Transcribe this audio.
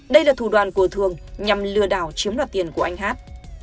đây là thủ đoạn của thường nhằm lừa đảo chiếm đoạt tiền của anh hát